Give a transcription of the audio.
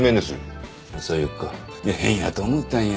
さよか変やと思ったんや。